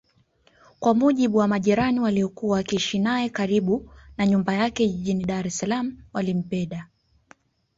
Kwa mujibu wa majirani waliokuwa wakiishi naye karibu na nyumba yake jijini DaresSalaam walimpeda